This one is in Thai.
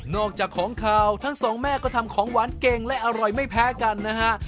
อกจากของขาวทั้งสองแม่ก็ทำของหวานเก่งและอร่อยไม่แพ้กันนะฮะ